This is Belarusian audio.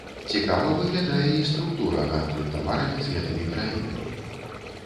Цікава выглядае і структура гандлю таварамі з гэтымі краінамі.